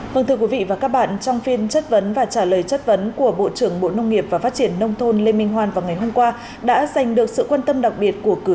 vâng thưa quý vị và các bạn trong phiên chất vấn và trả lời chất vấn của bộ trưởng bộ nông nghiệp và phát triển nông thôn lê minh hoan vào ngày hôm qua đã giành được sự quan tâm đặc biệt của cử tri